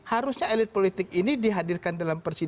harusnya elit politik ini dihadirkan dalam persidangan